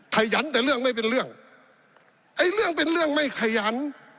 ขยันแต่เรื่องไม่เป็นเรื่องไอ้เรื่องเป็นเรื่องไม่ขยัน